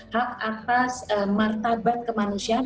hak atas martabat kemanusiaan